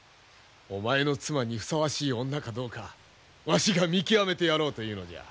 お前の妻にふさわしい女かどうかわしが見極めてやろうというのじゃ。